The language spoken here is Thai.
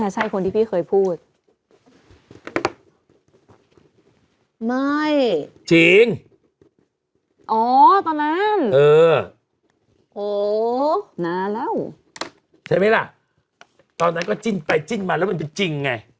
ใช่ไหมล่ะตอนนั้นก็จิ้นไปจิ้นมาแล้วมันเป็นจริงไง